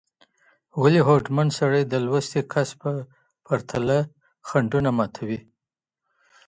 ولي هوډمن سړی د لوستي کس په پرتله خنډونه ماتوي؟